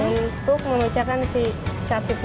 untuk mengecahkan si catitnya